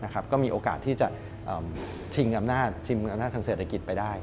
ก็มีโอกาสที่จะชิงอำนาจทางเศรษฐกิจไปได้